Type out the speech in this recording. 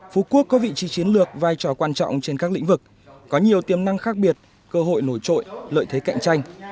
phú quốc có vị trí chiến lược vai trò quan trọng trên các lĩnh vực có nhiều tiềm năng khác biệt cơ hội nổi trội lợi thế cạnh tranh